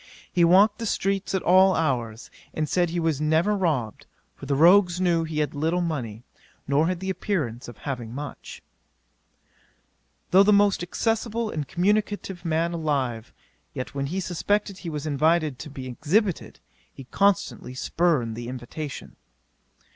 He walked the streets at all hours, and said he was never robbed, for the rogues knew he had little money, nor had the appearance of having much. 'Though the most accessible and communicative man alive; yet when he suspected he was invited to be exhibited, he constantly spurned the invitation.